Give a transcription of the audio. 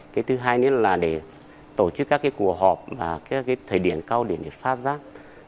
cái thứ hai là tổ chức các cuộc họp và thời điểm cao để phát giác